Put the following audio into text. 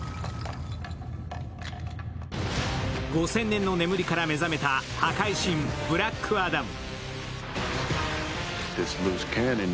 ５０００年の眠りから目覚めた破壊神ブラックアダム。